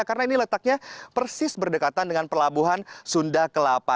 karena ini letaknya persis berdekatan dengan pelabuhan sunda kelapa